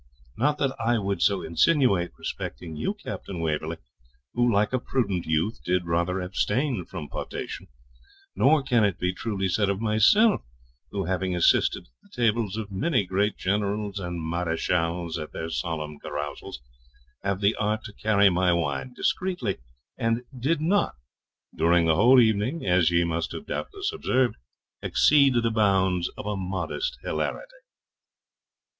Not that I would so insinuate respecting you, Captain Waverley, who, like a prudent youth, did rather abstain from potation; nor can it be truly said of myself, who, having assisted at the tables of many great generals and marechals at their solemn carousals, have the art to carry my wine discreetly, and did not, during the whole evening, as ye must have doubtless observed, exceed the bounds of a modest hilarity.'